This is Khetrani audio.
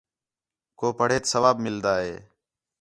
کُو پڑھیت ثواب مِلدا ہِے